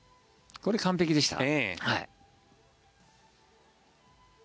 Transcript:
これは完璧でした。